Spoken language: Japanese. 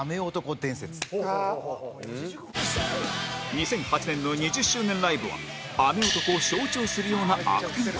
２００８年の２０周年ライブは雨男を象徴するような悪天候